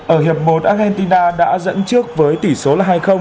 ở hiệp một argentina đã dẫn trước với tỷ số là hai